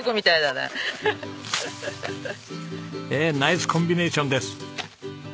ねえナイスコンビネーションです。